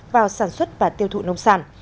vào sản xuất và tiêu thụ nông sản